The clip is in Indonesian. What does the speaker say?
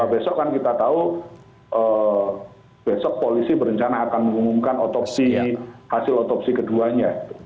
besok kan kita tahu besok polisi berencana akan mengumumkan otopsi hasil otopsi keduanya